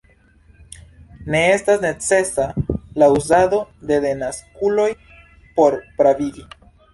Ne estas necesa la uzado de denaskuloj por pravigi.